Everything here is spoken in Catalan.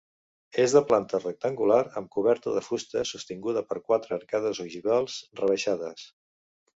És de planta rectangular amb coberta de fusta sostinguda per quatre arcades ogivals rebaixades.